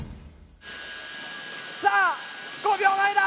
さあ５秒前だ。